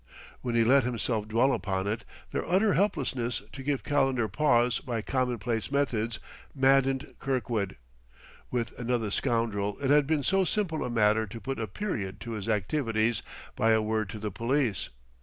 When he let himself dwell upon it, their utter helplessness to give Calendar pause by commonplace methods, maddened Kirkwood. With another scoundrel it had been so simple a matter to put a period to his activities by a word to the police.